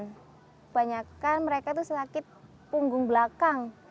kebanyakan mereka itu sakit punggung belakang